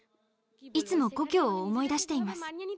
いつも故郷を思い出しています。